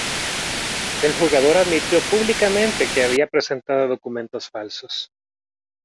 El jugador admitió públicamente que había presentado documentos falsos.